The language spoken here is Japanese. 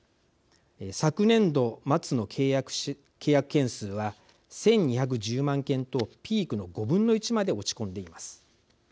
昨年度末の契約件数は１２１０万件とピークの５分の１まで落ち込んでいます。